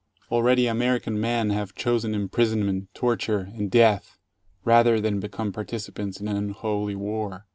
Already American men have chosen imprisonment, torture, and death, rather than become participants in an unholy war.